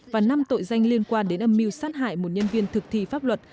và năm tội danh liên quan đến âm mưu sát hại một nhân viên thực thi pháp luật